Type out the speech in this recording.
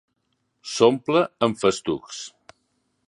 S'omple amb festucs.